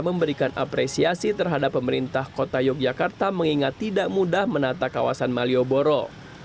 memberikan apresiasi terhadap pemerintah kota yogyakarta mengingat tidak mudah menata kawasan malioboro